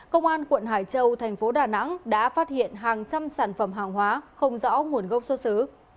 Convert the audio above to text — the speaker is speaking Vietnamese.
công an quận hải châu thành phố đà nẵng đã phát hiện hàng trăm sản phẩm hàng hóa không rõ nguồn gốc xuất xứ